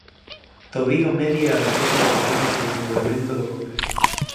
Tobío media e organiza o programa e desenvolvemento do congreso.